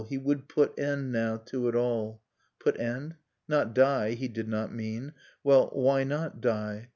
He would put end, now, to it all. Put end? — Not die, he did not mean? Well, why not die?